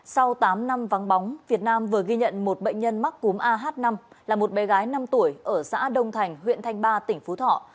sau tám năm vắng bóng việt nam vừa ghi nhận một bệnh nhân mắc cúm ah năm là một bé gái năm tuổi ở xã đông thành huyện thanh ba tỉnh phú thọ